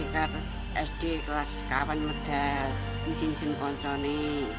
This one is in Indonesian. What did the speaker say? tika sd kelas kapan muda disin sin konsoni